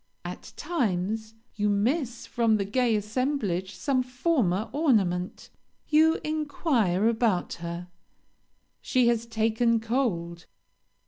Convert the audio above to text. "At times, you miss from the gay assemblage some former ornament you inquire about her she has taken cold.